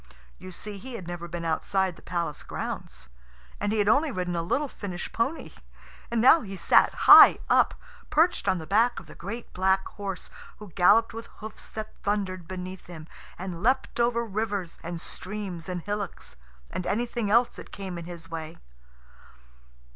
You see, he had never been outside the palace grounds. And he had only ridden a little Finnish pony. And now he sat high up, perched on the back of the great black horse, who galloped with hoofs that thundered beneath him, and leapt over rivers and streams and hillocks, and anything else that came in his way.